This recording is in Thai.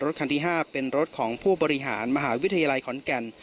คันที่๕เป็นรถของผู้บริหารมหาวิทยาลัยขอนแก่น